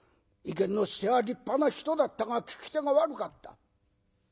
意見の仕手は立派な人だったが聞き手が悪かった。